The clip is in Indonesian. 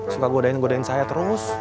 suka godain godain saya terus